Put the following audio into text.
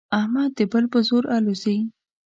احمد د بل په زور الوزي.